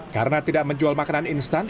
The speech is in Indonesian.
karena tidak menjual makanan instan